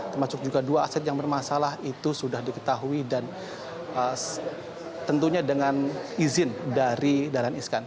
termasuk juga dua aset yang bermasalah itu sudah diketahui dan tentunya dengan izin dari dahlan iskan